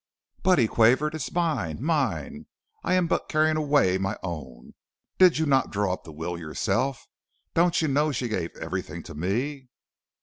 "'But,' he quavered, 'it is mine mine. I am but carrying away my own. Did you not draw up the will yourself? Don't you know she gave everything to me?'